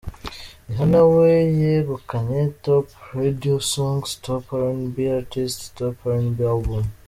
Rihanna we yegukanye Top Radio Songs, Top RnB Artist, Top RnB Album .